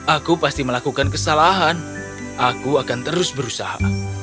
aku pasti melakukan kesalahan aku akan terus berusaha